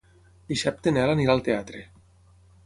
Dissabte en Nel anirà al teatre.